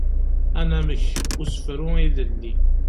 Anamek n usefru ilelli.